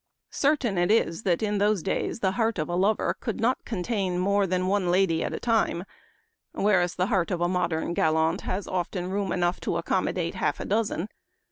Certain it is that in those days the heart of a lover could not contain more than one lady at a time ; whereas the heart of a modern gallant has often room enough to accommodate half a dozen.